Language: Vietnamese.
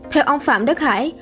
theo ông phạm đức hải